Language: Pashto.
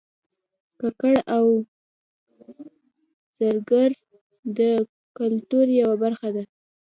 ګګر او زرګر د کولتور یوه برخه دي